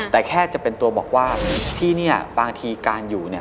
แต่แค่จะเป็นตัวบอกว่าที่นี่บางทีการอยู่เนี่ย